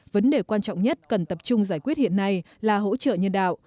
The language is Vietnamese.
vấn đề quan trọng nhất cần tập trung giải quyết hiện nay là hỗ trợ nhân đạo